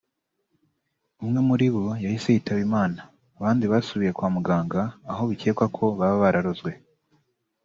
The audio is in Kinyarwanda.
umwe muri bo yahise yitaba Imana abandi basubiye kwa muganga aho bikekwa ko baba barozwe